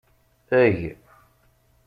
Eg.